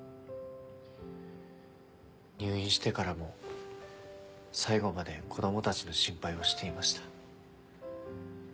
入院してからも最期まで子供たちの心配をしていました。